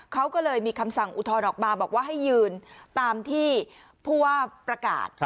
เขาก็เลยมีคำสั่งอุทธรณ์ออกมาบอกว่าให้ยืนตามที่ผู้ว่าประกาศ